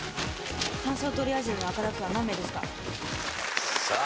「搬送トリアージの赤タッグは何名ですか？」さあ